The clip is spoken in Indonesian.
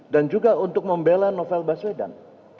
dan juga untuk membela novel baswedan